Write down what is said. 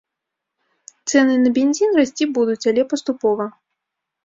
Цэны на бензін расці будуць, але паступова.